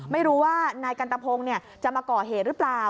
ไม่รู้ว่านายกันตะพงศ์จะมาก่อเหตุหรือเปล่า